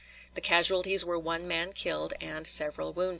The casualties were one man killed and several wounded.